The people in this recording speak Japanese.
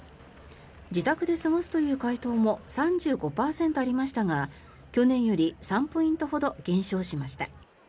自宅で過ごすという回答も３５％ありましたが去年より３ポイントほど減少しました。